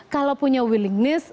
kalau punya willingness